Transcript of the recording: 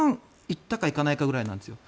行ったか行かないかぐらいなんですよ。